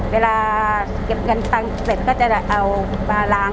เวลาเก็บเงินตังค์เสร็จก็จะเอามาล้าง